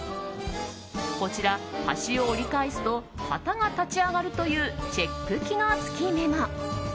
こちら、端を折り返すと旗が立ち上がるというチェック機能付きメモ。